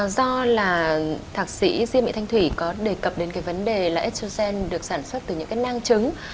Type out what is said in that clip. do là thạc sĩ diêm mỹ thanh thủy có đề cập đến cái vấn đề là estrogen được sản xuất từ những cái nang trứng